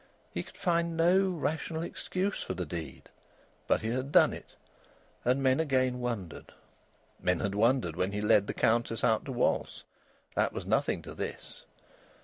He could find no rational excuse for the deed. But he had done it. And men again wondered. Men had wondered when he led the Countess out to waltz. That was nothing to this.